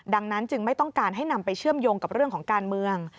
ดังนั้นจึงไม่ต้องการให้นำไปเชื่อมโยงกับเรื่องของการเมือง